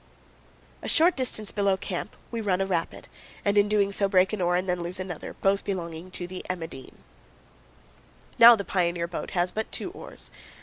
A short distance below camp we run a rapid, and in doing so break an oar and then lose another, both belonging to the "Emma Dean." Now the pioneer boat has but two oars.